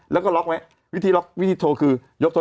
แล้วมันมีวิธีนะที่โทรออก